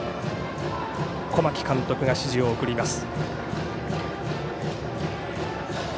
小牧監督が指示を送ります。